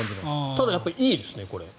ただ、いいですね、これ。